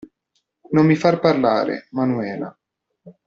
Non mi far parlare, Manuela.